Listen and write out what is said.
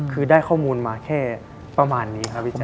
คือได้ข้อมูลมาแค่ประมาณนี้ครับพี่แจ